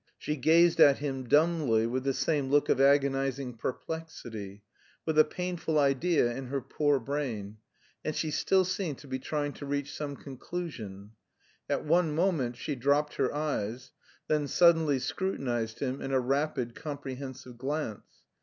She gazed at him dumbly with the same look of agonising perplexity, with a painful idea in her poor brain, and she still seemed to be trying to reach some conclusion. At one moment she dropped her eyes, then suddenly scrutinised him in a rapid comprehensive glance.